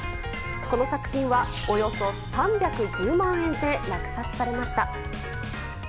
この作品はおよそ３１０万円で落札されました。